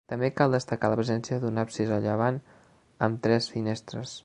També cal destacar la presència d'un absis a llevant amb tres finestres.